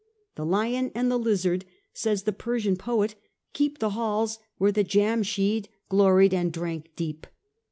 The lion and the lizard, says the Persian poet, keep the halls where Jamshyd gloried and drank deep.